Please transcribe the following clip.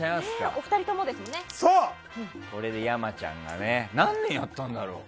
俺と山ちゃんがね。何年やったんだろう。